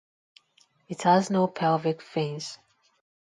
It has no pelvic fins.